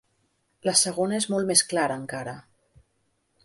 La segona és molt més clara, encara.